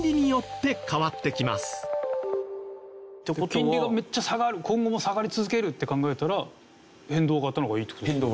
金利がめっちゃ下がる今後も下がり続けるって考えたら変動型の方がいいって事ですよね。